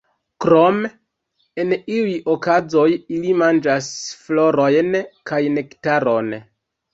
Krome en iuj okazoj ili manĝas florojn kaj nektaron.